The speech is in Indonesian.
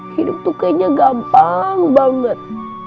hidup tuh kayaknya gampang banget